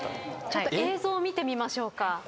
ちょっと映像を見てみましょうか。